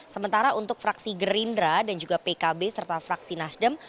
sementara untuk fraksi gerindra dan juga pkb serta fraksi nasdem